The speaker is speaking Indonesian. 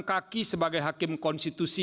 kaki sebagai hakim konstitusi